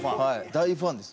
大ファンです。